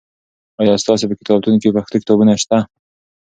آیا ستاسې په کتابتون کې پښتو کتابونه سته؟